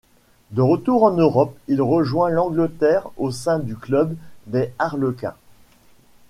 De retour en Europe, il rejoint l'Angleterre au sein du club des Harlequins.